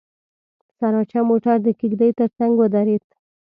سراچه موټر د کېږدۍ تر څنګ ودرېد.